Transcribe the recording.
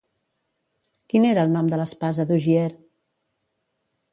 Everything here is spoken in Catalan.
Quin era el nom de l'espasa d'Ogier?